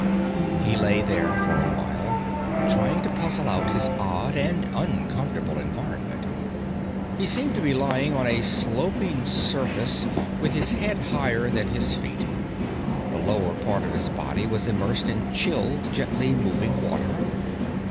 He lay there for a while, trying to puzzle out his odd and uncomfortable environment. He seemed to be lying on a sloping surface with his head higher than his feet. The lower part of his body was immersed in chill, gently moving water.